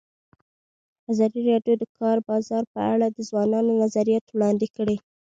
ازادي راډیو د د کار بازار په اړه د ځوانانو نظریات وړاندې کړي.